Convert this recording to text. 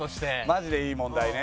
マジでいい問題ね。